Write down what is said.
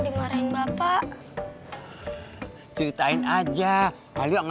ini rumahnya bang